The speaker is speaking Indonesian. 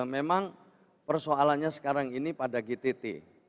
memang persoalannya sekarang ini pada gtt